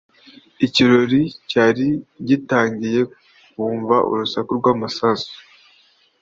Ikirori cyarigitangiye bumva urusaku rwamasasu